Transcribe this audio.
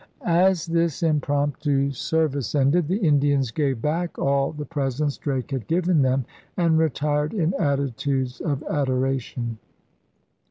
As this impromptu service ended the Indians gave back all the pre sents Drake had given them and retired in attitudes of adoration.